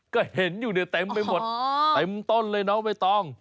ก็เห็นอยู่ในเต็มไปหมดเต็มต้นเลยเนาะไม่ต้อง